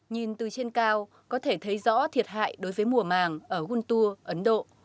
nhìn từ trên cao có thể thấy rõ thiệt hại đối với mùa màng ở guntua ấn độ